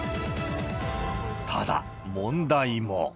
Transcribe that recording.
ただ、問題も。